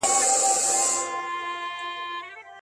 منځګړی بايد په کومو احکامو پوره پوهه ولري؟